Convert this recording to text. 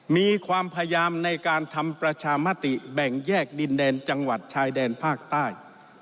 มีความพยายามในการทำประชามติแบ่งแยกดินแดนจังหวัดชายแดนภาคใต้